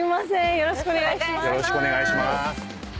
よろしくお願いします。